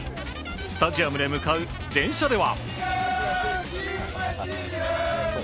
スタジアムへ向かう電車では。